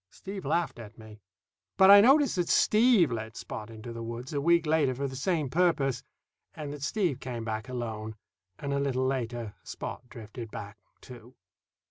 Steve laughed at me. But I notice that Steve led Spot into the woods, a week later, for the same purpose, and that Steve came back alone, and a little later Spot drifted back, too.